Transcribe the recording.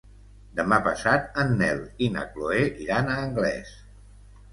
Demà passat en Nel i na Chloé iran a Anglès.